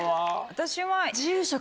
私は。